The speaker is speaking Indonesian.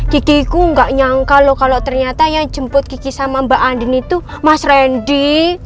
gigiku gak nyangka loh kalau ternyata yang jemput kiki sama mbak andin itu mas randy